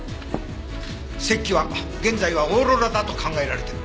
赤気は現在はオーロラだと考えられてる。